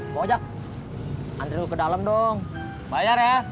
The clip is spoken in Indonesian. moja andro ke dalam dong bayar ya